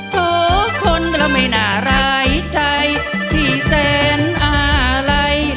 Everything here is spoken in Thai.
ขอคนเราไม่น่าร้ายใจที่แสนอะไร